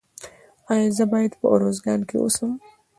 ایا زه باید په ارزګان کې اوسم؟